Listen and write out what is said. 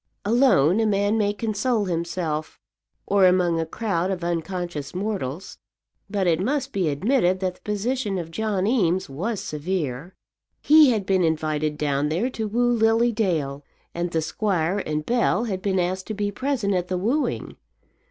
Alone, a man may console himself, or among a crowd of unconscious mortals; but it must be admitted that the position of John Eames was severe. He had been invited down there to woo Lily Dale, and the squire and Bell had been asked to be present at the wooing.